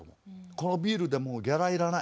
このビールでもうギャラいらない。